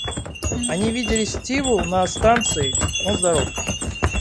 Они видели Стиву на станции, он здоров.